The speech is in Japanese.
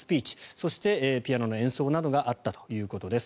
そして、ピアノの演奏などがあったということです。